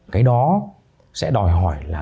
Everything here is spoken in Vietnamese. cái đó sẽ đòi hỏi là